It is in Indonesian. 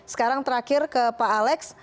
sekarang terakhir ke pak alex